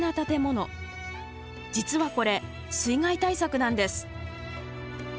実はこれ水害対策なんです。